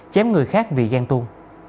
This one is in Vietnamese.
chém người khác vì ghen tuôn